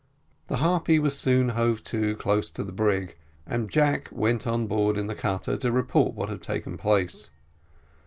The Harpy was soon hove to close to the brig, and Jack went on board in the cutter to report what had taken place.